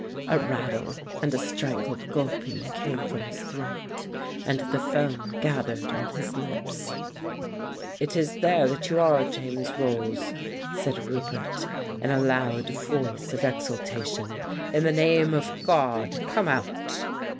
A rattle and a strangled gulping came from his throat, and the foam gathered on his lips. "It is there that you are, James Rolls," said Roupert in a loud voice of exultation. "In the name of God, come out